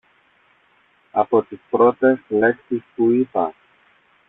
Από τις πρώτες λέξεις που είπα